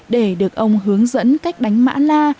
để được ông hướng dẫn cách đánh mã la